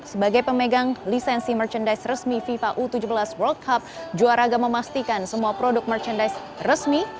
sebagai pemegang lisensi merchandise resmi fifa u tujuh belas world cup juaraga memastikan semua produk merchandise resmi